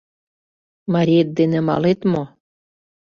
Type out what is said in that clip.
— Мариет дене малет мо?